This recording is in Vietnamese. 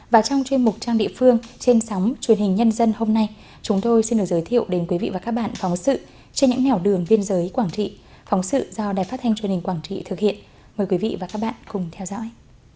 và trong chuyên mục trang địa phương trên sóng truyền hình nhân dân hôm nay chúng tôi xin được giới thiệu đến quý vị và các bạn phóng sự trên những nẻo đường biên giới quảng trị phóng sự do đài phát thanh truyền hình quảng trị thực hiện mời quý vị và các bạn cùng theo dõi